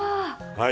はい。